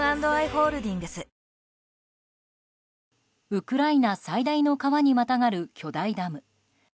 ウクライナ最大の川にまたがる巨大ダム。